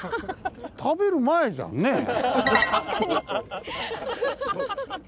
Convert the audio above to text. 食べる前じゃんねぇ。